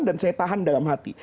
dan saya tahan dalam hati